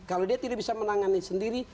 kalau dia tidak bisa menangani sendiri